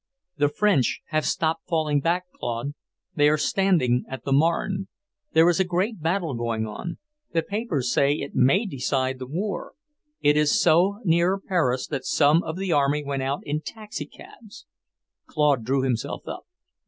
"The French have stopped falling back, Claude. They are standing at the Marne. There is a great battle going on. The papers say it may decide the war. It is so near Paris that some of the army went out in taxi cabs." Claude drew himself up.